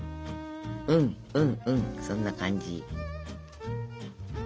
うんうんうんそんな感じ。